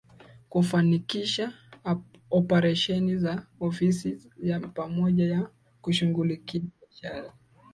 Kufanikisha oparesheni za ofisi ya pamoja ya kushughulikia biashara